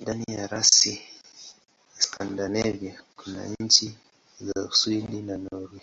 Ndani ya rasi ya Skandinavia kuna nchi za Uswidi na Norwei.